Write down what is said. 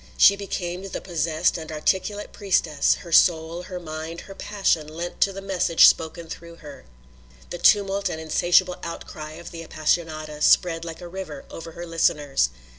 She became the possessed and articulate priestess, her soul, her mind, her passion lent to the message spoken through her. The tumult and insatiable outcry of the Appassionata spread like a river over her listeners.